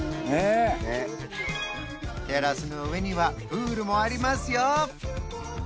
テラスの上にはプールもありますよ